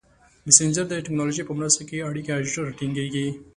مسېنجر د ټکنالوژۍ په مرسته اړیکه ژر ټینګېږي.